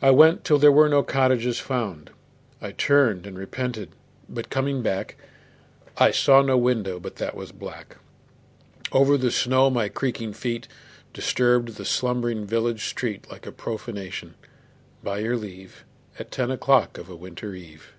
I went till there were no cottages found. I turned and repented, but coming back I saw no window but that was black. Over the snow my creaking feet Disturbed the slumbering village street Like profanation, by your leave, At ten o'clock of a winter eve.